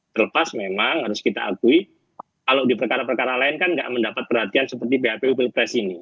terlepas memang harus kita akui kalau di perkara perkara lain kan tidak mendapat perhatian seperti bapu pilpres ini